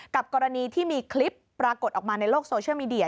กรณีที่มีคลิปปรากฏออกมาในโลกโซเชียลมีเดีย